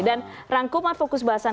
dan rangkumat fokus bahasan